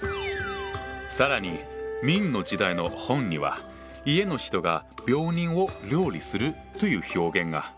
更に明の時代の本には「家の人が病人を料理する」という表現が。